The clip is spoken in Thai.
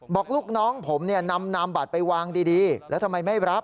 บอกลูกน้องผมเนี่ยนำนามบัตรไปวางดีแล้วทำไมไม่รับ